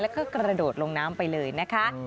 แล้วก็กระโดดลงน้ำไปเลยนะคะ